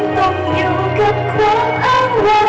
ขอบคุณทุกเรื่องราว